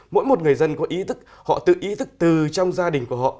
mỗi một người dân có ý thức họ tự ý thức từ trong gia đình của họ